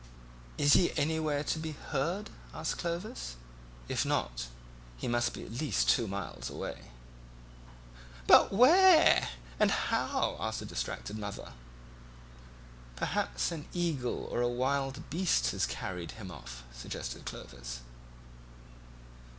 "Is he anywhere to be heard?" asked Clovis; "if not, he must be at least two miles away." "But where? And how?" asked the distracted mother. "Perhaps an eagle or a wild beast has carried him off," suggested Clovis.